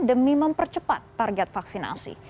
demi mempercepat target vaksinasi